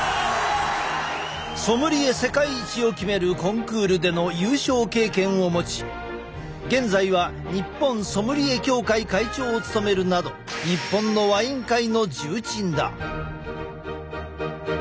ソムリエ世界一を決めるコンクールでの優勝経験を持ち現在は日本ソムリエ協会会長を務めるなど日本のワイン界の重鎮だ。